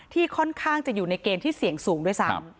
ที่ค่อนข้างจะอยู่ในเกณฑ์ที่เสี่ยงสูงด้วยซ้ำ